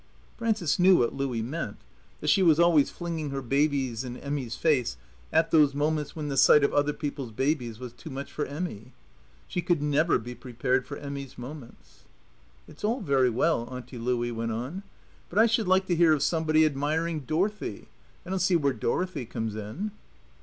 Frances knew what Louie meant that she was always flinging her babies in Emmy's face at those moments when the sight of other people's babies was too much for Emmy. She could never be prepared for Emmy's moments. "It's all very well," Auntie Louie went on; "but I should like to hear of somebody admiring Dorothy. I don't see where Dorothy comes in."